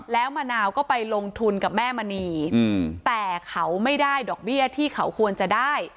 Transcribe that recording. แล้วมะนาวก็ไปลงทุนกับแม่มณีแต่เขาไม่ได้ดอกเบี้ยที่เขาควรจะได้